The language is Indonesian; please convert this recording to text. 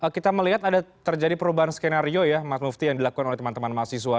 kita melihat ada terjadi perubahan skenario ya mas mufti yang dilakukan oleh teman teman mahasiswa